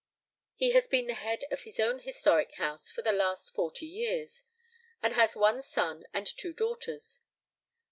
He has been the head of his own historic house for the last forty years, and has one son and two daughters.